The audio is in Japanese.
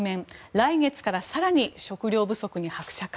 来月から更に食糧不足に拍車か。